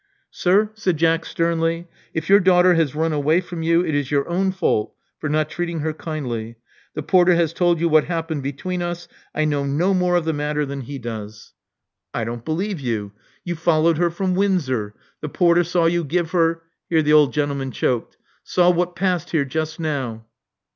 Sir," said Jack sternly: if your daughter has run away from you, it is your own fault for not treating her kindly. The porter has told you what happened between us. I know no more of the matter than he does." Love Among the Artists 69 I don't believe you. You followed her from Windsor. The porter saw you give her" (here the old gentleman choked) — saw what passed here just now."